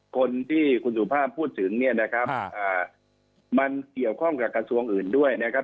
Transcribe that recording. คนที่คุณสุภาพพูดถึงเนี่ยนะครับมันเกี่ยวข้องกับกระทรวงอื่นด้วยนะครับ